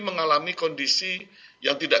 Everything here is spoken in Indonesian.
mengalami kondisi yang tidak